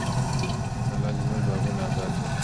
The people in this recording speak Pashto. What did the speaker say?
الله دې زموږ باغونه اباد لري.